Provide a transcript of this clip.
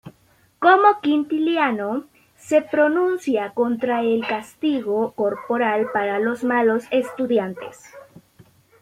Como Quintiliano, se pronuncia contra el castigo corporal para los malos estudiantes.